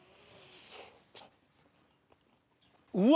うわ！